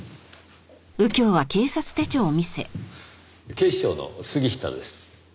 警視庁の杉下です。